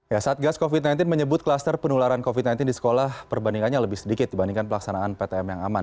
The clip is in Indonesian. ya satgas covid sembilan belas menyebut klaster penularan covid sembilan belas di sekolah perbandingannya lebih sedikit dibandingkan pelaksanaan ptm yang aman